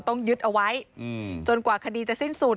ต้องยึดเอาไว้